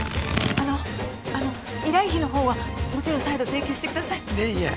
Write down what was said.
あのあの依頼費の方はもちろん再度請求してくださいいえいえ